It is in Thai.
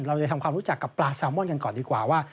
เราจะทำความรู้จักกับปลาแซลมอนกันก่อนดีกว่าว่า